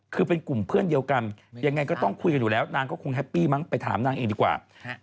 คือเป็นกลุ่มเพื่อนเดียวกันยังไงก็ต้องคุยกันอยู่แล้วนางก็คงแฮปปี้มั้งไปถามนางเองดีกว่า